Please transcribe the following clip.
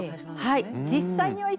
はい。